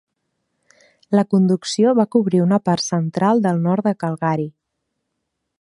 La conducció va cobrir una part central del nord de Calgary.